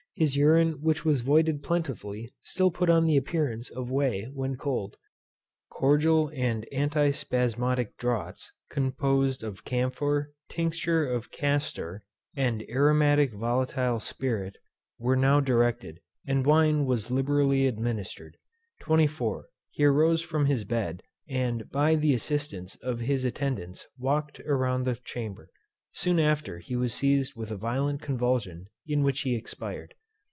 His urine which was voided plentifully, still put on the appearance of whey when cold. Cordial and antispasmodic draughts, composed of camphor, tincture of castor, and Sp. vol. aromat. were now directed; and wine was liberally administered. 24. He rose from his bed, and by the assistance of his attendants walked across the chamber. Soon after he was seized with a violent convulsion, in which he expired.